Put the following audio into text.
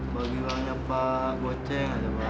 bagi uangnya pak goceh aja pak